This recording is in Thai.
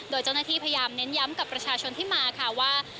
โดยเจ้าหน้าที่พยายามเน้นย้ำกับประชาชนที่มาค่ะว่า